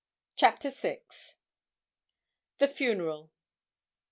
CHAPTER VI. The Funeral.